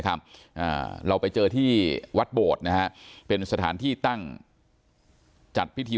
เราไปเจอที่วัดโบดนะฮะเป็นสถานที่ตั้งจัดพิธี